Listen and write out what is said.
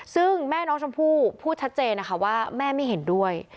ซึ่งแม่น้องชมพู่พูดชัดเจนนะคะว่าแม่ไม่เห็นด้วย